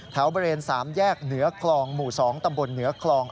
แถวบริเวณ๓แยกเหนือคลองหมู่๒ตำบลเหนือคลอง